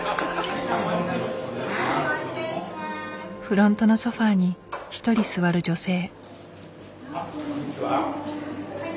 フロントのソファーに一人座る女性。